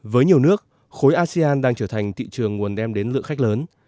với nhiều nước khối asean đang trở thành thị trường nguồn đem đến lượng khách lớn